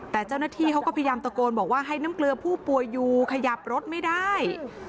แต่เจ้าหน้าที่เขาก็พยายามตะโกนบอกว่าให้น้ำเกลือผู้ป่วยอยู่ขยับรถไม่ได้